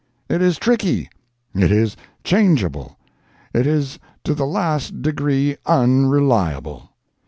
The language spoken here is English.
It is tricky, it is changeable, it is to the last degree unreliable.